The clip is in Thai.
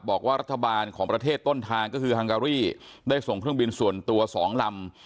บอกว่ารัฐบาลของประเทศต้นทางก็คือฮังการีได้ส่งเครื่องบินส่วนตัว๒ลำ